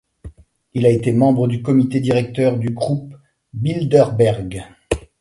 Il a été membre du comité directeur du groupe Bilderberg.